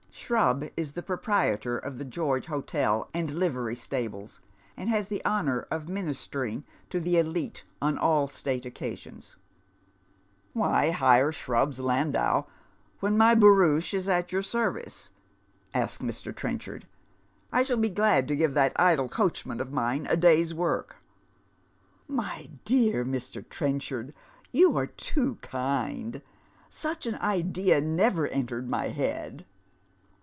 Shrub is the proprietor of tlie George Hotel and livery stables, and has the honour of ministering to the elite on all 8tate occa sions. " Why hire Shrub's landau when my barouche is at your gervice ?" asks Air. Trenchard. " I shall be glad to give that idle coachman of mine a day's work." " My dear Mr. Trenchard, you are too kind. Such an idea never entered my head."